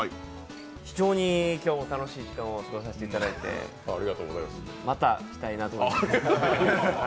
非常に今日も楽しい時間を過ごさせていただいて、また来たいなと思います。